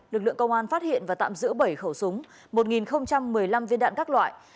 lực lượng công an phát hiện và tạm giữ bảy khẩu súng một một mươi năm viên đạn các loại